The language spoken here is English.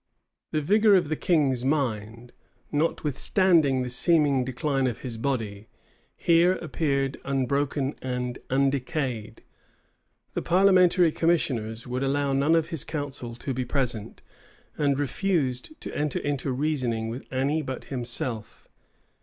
The vigor of the king's mind, notwithstanding the seeming decline of his body, here appeared unbroken and undecayed. The parliamentary commissioners would allow none of his council to be present, and refused to enter into reasoning with any but himself.